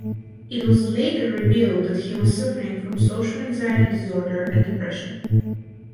It was later revealed that he was suffering from social anxiety disorder and depression.